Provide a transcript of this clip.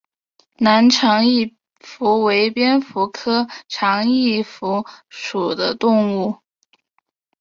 南长翼蝠为蝙蝠科长翼蝠属的动物。